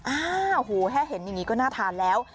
โอ้โหแค่เห็นอย่างนี้ก็น่าทานแล้ว